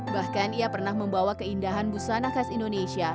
bahkan ia pernah membawa keindahan busana khas indonesia